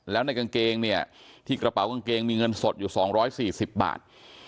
แล้วในกางเกงเนี่ยที่กระเป๋ากางเกงมีเงินสดอยู่๒๔๐บาท